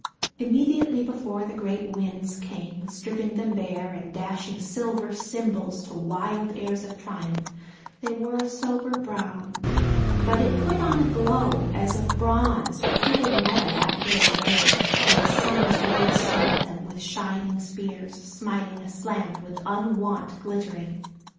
Immediately before the great winds came, stripping them bare, and dashing silver cymbals to wild airs of triumph, they wore a sober brown, but it put on a glow, as of bronze or heated metal after a rain, when the sun's rays smote them with shining spears smiting aslant with unwonted glittering.